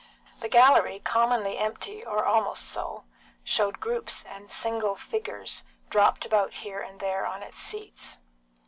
The gallery, commonly empty or almost so, showed groups and single figures dropped about here and there on its seats.